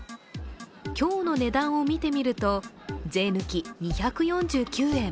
今日の値段を見てみると税抜き２４９円。